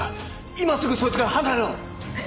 今すぐそいつから離れろ！